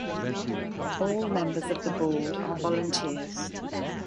All members of the board are volunteers.